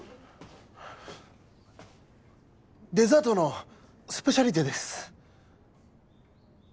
デザートのスペシャリテです。